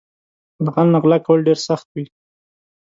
له غل نه غلا کول ډېر سخت وي